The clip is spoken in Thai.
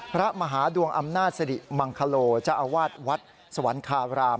พระมหาดวงอำนาจสริมังคโลเจ้าอาวาสวัดสวรรคาราม